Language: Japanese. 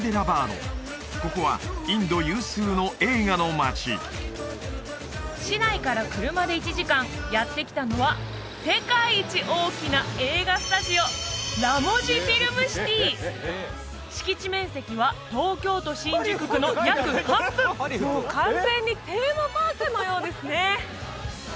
ここはインド有数の映画の街市内から車で１時間やって来たのは世界一大きな映画スタジオ敷地面積は東京都新宿区の約半分もう完全にテーマパークのようですね